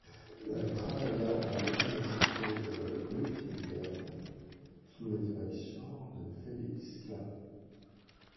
Elle travailla à l'université de Göttingen, sous la direction de Felix Klein.